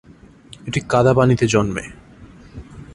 এটি কাদা পানিতে জন্মে।